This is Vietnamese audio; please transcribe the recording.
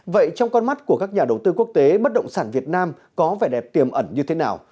vậy trong con mắt của các nhà đầu tư quốc tế bất động sản việt nam có vẻ đẹp tiềm ẩn như thế nào